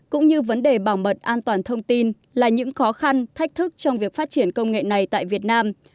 cũng như vấn đề bảo mật an toàn thông tin là những khó khăn thách thức trong việc phát triển công nghệ này tại việt nam